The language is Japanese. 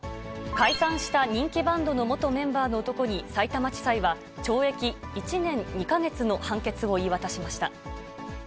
解散した人気バンドの元メンバーの男に、さいたま地裁は、懲役１年２か月の判決を言い渡しました。